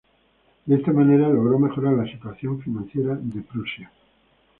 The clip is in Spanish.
De esta manera logró mejorar la situación financiera de Prusia.